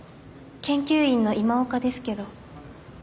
研究員の今岡ですけど。